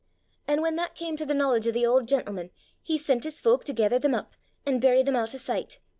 An' whan that cam to the knowledge o' the auld gentleman, he sent his fowk to gether them up an' bury them oot o' sicht.